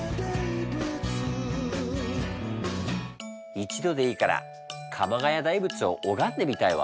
一度でいいから鎌ケ谷大仏を拝んでみたいわ。